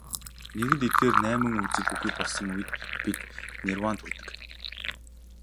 Нэгэнт эдгээр найман үзэл үгүй болсон үед бид нирваанд хүрдэг.